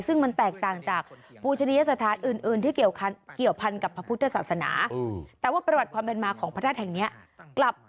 ซึ่งมันแตกต่างจากบูญชะเงียสถานอื่นที่เกี่ยวพันธุ์กับพระพุทธศาสนา